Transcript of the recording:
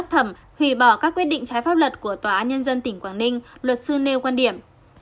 thẩm hủy bỏ các quyết định trái pháp luật của tòa án nhân dân tỉnh quảng ninh luật sư nêu quan điểm